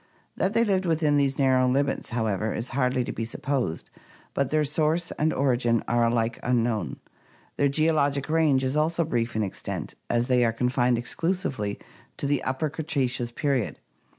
That they lived only within these narrow limits, however, is hardly to be supposed; but their source and origin are alike unknown. Their geologic range is also brief in extent, as they are confined exclusively to the Upper Cretaceous period.